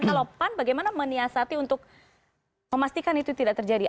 kalau pak bagaimana meniasati untuk memastikan itu tidak terjadi